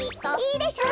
いいでしょ。